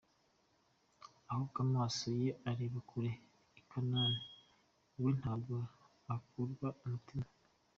ahubwo amaso ye areba kure i kanani, we ntabwo akurwa umutima .